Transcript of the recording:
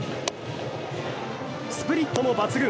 スプリットも抜群！